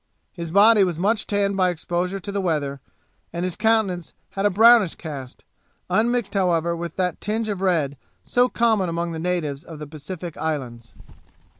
His body was much tanned by exposure to the weather, and his countenance had a brownish cast, unmixed however with that tinge of red so common among the natives of the Pacific islands.